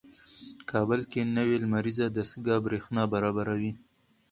کابل کې نوې لمریزه دستګاه برېښنا برابروي.